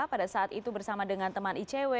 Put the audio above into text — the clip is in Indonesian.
pada saat itu bersama dengan teman icw